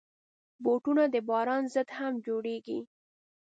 بوټونه د باران ضد هم جوړېږي.